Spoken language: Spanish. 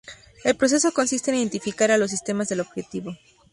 El proceso consiste en identificar el o los sistemas del objetivo.